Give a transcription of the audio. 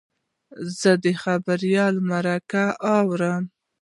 زه د خبریال مرکه اورم.